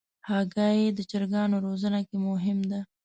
هګۍ د چرګانو روزنه کې مهم ده.